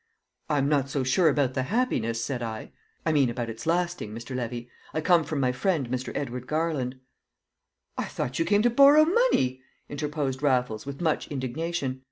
"I'm not so sure about the happiness," said I. "I mean about its lasting, Mr. Levy. I come from my friend, Mr. Edward Garland." "I thought you came to borrow money!" interposed Raffles with much indignation.